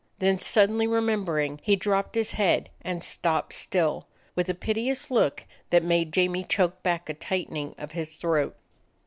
Then, suddenly remembering, he dropped his head and stopped still, with a piteous look that made Jamie choke back a tightening of his throat.